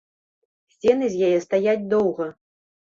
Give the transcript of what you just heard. Сцены з яе стаяць доўга.